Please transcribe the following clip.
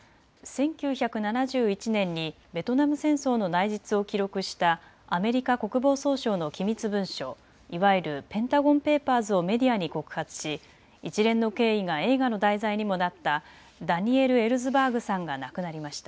１９７１年にベトナム戦争の内実を記録したアメリカ国防総省の機密文書、いわゆるペンタゴン・ペーパーズをメディアに告発し一連の経緯が映画の題材にもなったダニエル・エルズバーグさんが亡くなりました。